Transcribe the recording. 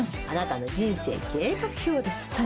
あなたの人生計画表です。